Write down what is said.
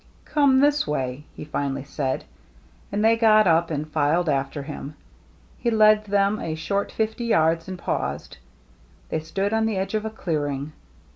" Come this way," he finally said. And they got up and filed after him. He led them a short fifty yards, and paused. They stood on the edge of a clearing.